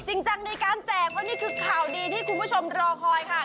จริงจังในการแจกว่านี่คือข่าวดีที่คุณผู้ชมรอคอยค่ะ